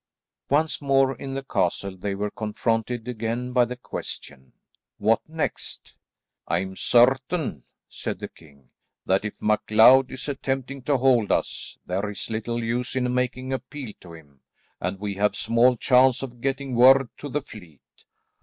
Once more in the castle they were confronted again by the question, What next? "I am certain," said the king, "that if MacLeod is attempting to hold us, there is little use in making appeal to him, and we have small chance of getting word to the fleet.